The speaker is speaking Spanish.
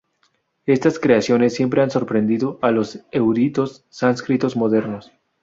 Estas creaciones siempre han sorprendido a los eruditos sánscritos modernos.